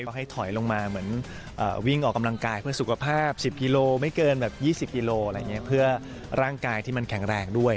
ก็ให้ถอยลงมาเหมือนวิ่งออกกำลังกายเพื่อสุขภาพ๑๐กิโลไม่เกินแบบ๒๐กิโลอะไรอย่างนี้เพื่อร่างกายที่มันแข็งแรงด้วย